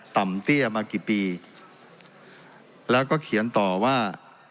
เตี้ยมากี่ปีแล้วก็เขียนต่อว่า